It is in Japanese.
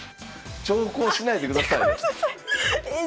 長考しないでくださいよ。